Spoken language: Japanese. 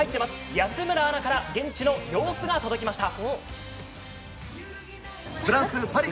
安村アナから現地の様子が届きました。